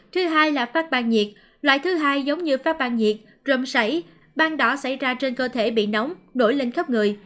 thứ hai là phát ban nhiệt loại thứ hai giống như phát ban nhiệt rụm sẩy ban đỏ xảy ra trên cơ thể bị nóng đổi lên khắp người